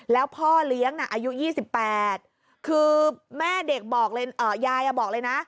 แล้วพ่อเลี้ยงอายุ๒๘คือแม่เด็กบอกเลยยายบอกเลยนะ